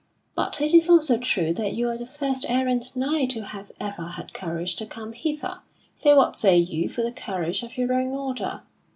But it is also true that you are the first errant knight who hath ever had courage to come hither. So what say you for the courage of your own order?"